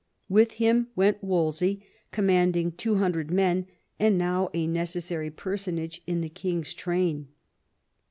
With him went Wolsey, commanding two hundred men, and now a necessary personage in the king's train.